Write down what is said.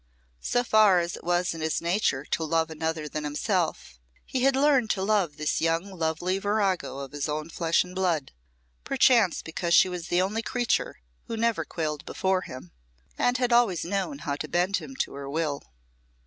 So far as it was in his nature to love another than himself, he had learned to love this young lovely virago of his own flesh and blood, perchance because she was the only creature who had never quailed before him, and had always known how to bend him to her will.